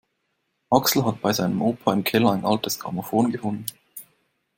Axel hat bei seinem Opa im Keller ein altes Grammophon gefunden.